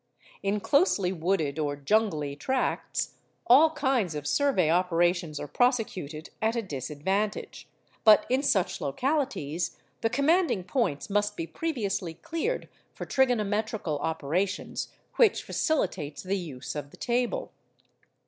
In closely wooded or jungly tracts, all kinds of survey operations are prosecuted at a disadvantage; but in such localities, the commanding points must be previously cleared for trigonometrical operations, which facilitates the use of the table.